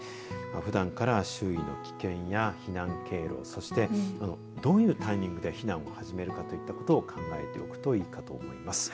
ふだんから周囲の危険や避難経路そして、どういうタイミングで避難を始めるかといったことを考えておくといいかと思います。